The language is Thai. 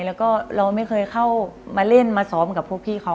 แล้วก็เราไม่เคยเข้ามาเล่นมาซ้อมกับพวกพี่เขา